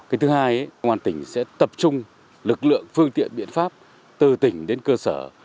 cái thứ hai công an tỉnh sẽ tập trung lực lượng phương tiện biện pháp từ tỉnh đến cơ sở